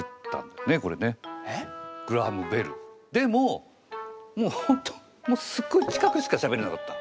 でももう本当すっごい近くしかしゃべれなかった。